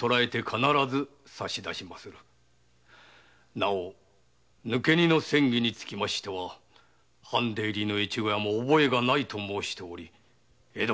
なお抜け荷のセン議につきましては藩出入りの越後屋も覚えがないと申しており。